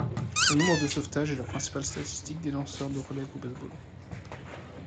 Le nombre de sauvetages est la principale statistique des lanceurs de relève au baseball.